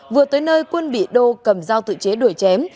vừa tới nơi quân bị đô cầm dao tự chế đuổi chém